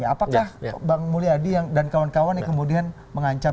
apakah bang mulyadi dan kawan kawan yang kemudian mengancam